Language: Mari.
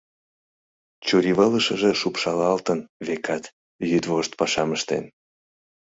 Чурийвылышыже шупшылалтын, векат, йӱдвошт пашам ыштен.